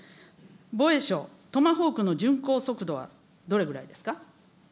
防衛省、トマホークの巡航速度はどれぐらいですか。